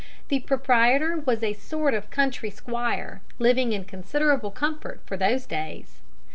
The proprietor was a sort of country squire, living in considerable comfort for those days.